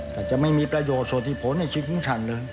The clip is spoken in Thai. แต่จะไม่มีประโยชน์ส่วนที่ผลในชีวิตของฉันเลย